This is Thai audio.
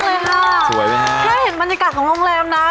แค่เห็นบรรยากาศของโรงแรมนะ